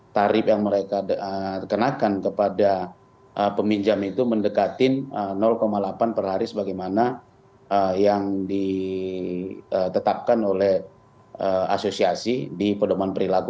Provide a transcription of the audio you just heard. tarif yang mereka kenakan kepada peminjam itu mendekatin delapan per hari sebagaimana yang ditetapkan oleh asosiasi di pedoman perilaku